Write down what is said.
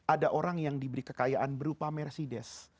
ada orang yang diberi kekayaan berupa mercedes